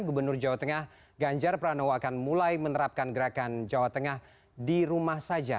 gubernur jawa tengah ganjar pranowo akan mulai menerapkan gerakan jawa tengah di rumah saja